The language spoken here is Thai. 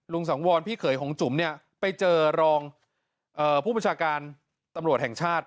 สังวรพี่เขยของจุ๋มเนี่ยไปเจอรองผู้บัญชาการตำรวจแห่งชาติ